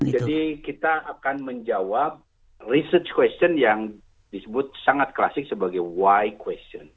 jadi kita akan menjawab research question yang disebut sangat klasik sebagai why question